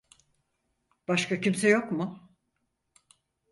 Başka kimse yok mu?